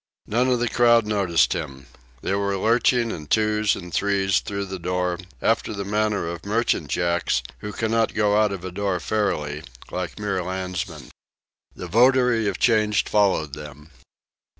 None of the crowd noticed him. They were lurching in twos and threes through the doors, after the manner of merchant Jacks who cannot go out of a door fairly, like mere landsmen. The votary of change followed them.